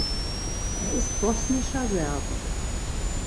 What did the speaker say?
Er ist bosnischer Serbe.